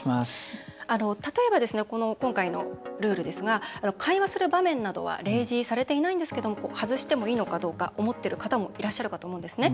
例えば、今回のルールですが会話する場面などは例示されていないのですが外してもいいのかどうか思っている方がいらっしゃると思うんですね。